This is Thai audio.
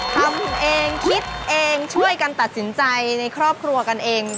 ทำเองคิดเองช่วยกันตัดสินใจในครอบครัวกันเอง